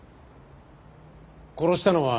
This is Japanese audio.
殺したのは。